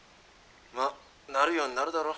「まあなるようになるだろ。